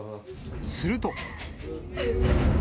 すると。